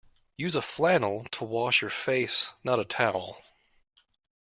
Use a flannel to wash your face, not a towel